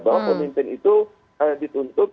bahwa pemimpin itu dituntut untuk memberikan kontrak